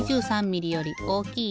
２６ミリより大きい？